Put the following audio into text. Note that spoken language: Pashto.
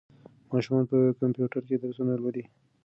ماشومان په کمپیوټر کې درسونه لولي.